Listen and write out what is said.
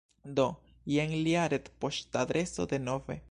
Do, jen lia retpoŝtadreso denove